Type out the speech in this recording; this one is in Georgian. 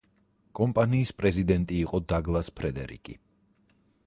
კომპანიის პრეზიდენტი იყო დაგლას ფრედერიკი.